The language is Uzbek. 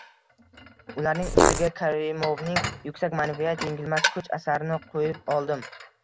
Ularning ustiga Karimovning "Yuksak ma’naviyat yengilmas kuch" asarini qo‘yib oldim.